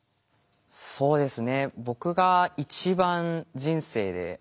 そうですね。